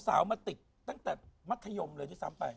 สาวมาติดตั้งแต่มัธยมเลยด้วยซ้ำไป